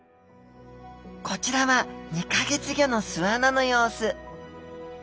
こちらは２か月後の巣穴の様子